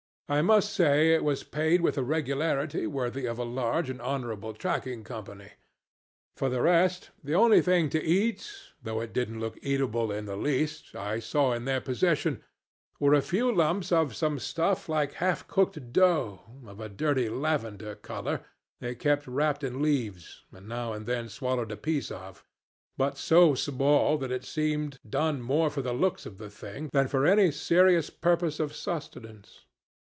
I must say it was paid with a regularity worthy of a large and honorable trading company. For the rest, the only thing to eat though it didn't look eatable in the least I saw in their possession was a few lumps of some stuff like half cooked dough, of a dirty lavender color, they kept wrapped in leaves, and now and then swallowed a piece of, but so small that it seemed done more for the looks of the thing than for any serious purpose of sustenance.